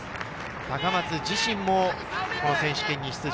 高松自身もこの選手権に出場。